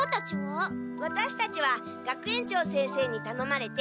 ワタシたちは学園長先生にたのまれて裏山のお社に。